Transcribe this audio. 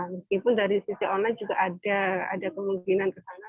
meskipun dari sisi online juga ada kemungkinan ke sana